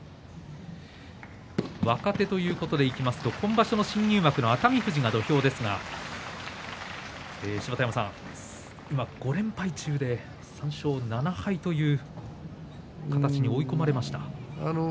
若手ということでいいますと今場所の新入幕の熱海富士が土俵ですが今、５連敗中で３勝７敗という形に追い込まれました。